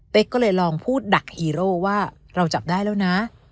ก็เลยลองพูดดักฮีโร่ว่าเราจับได้แล้วนะ